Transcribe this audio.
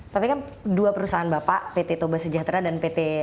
tapi kan dua perusahaan bapak pt toba sejahtera dan pt toba bumi nrg